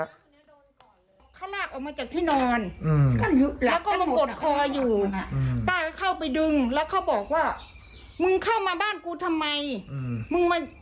เขาลากออกมาจากที่นอนแล้วก็มันกดคออยู่ป้าก็เข้าไปดึงแล้วเขาบอกว่า